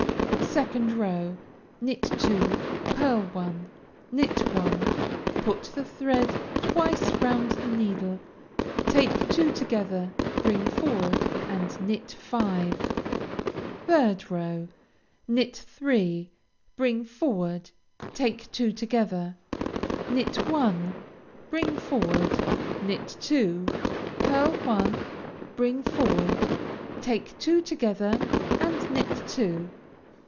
2nd row Knit two, pearl one, knit one, put the thread twice round the needle, take two together, bring forward, and knit five. 3rd row Knit three, bring forward, take two together, knit one, bring forward, knit two, pearl one, bring forward, take two together, and knit two.